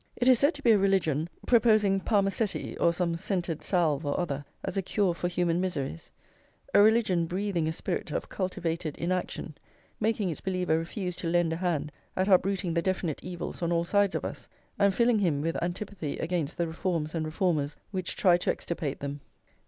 It is said to be a religion proposing parmaceti, or some scented salve or other, as a cure for human miseries; a religion breathing a spirit of cultivated inaction, making its believer refuse to lend a hand at uprooting the definite evils on all sides of us, and filling him with antipathy against the reforms and reformers which try to extirpate them.